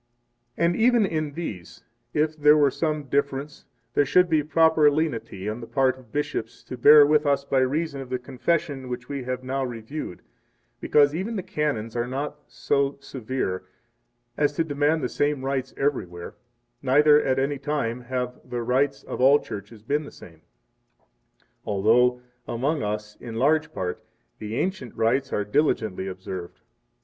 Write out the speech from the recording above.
And even in these, if there were some difference, there should be proper lenity on the part of bishops to bear with us by reason of the Confession which we have now reviewed; because even the Canons are not so severe as to demand the same rites everywhere, neither, at any time, have the rites of all churches been the same; 7 although, among us, in large part, the ancient rites are diligently observed.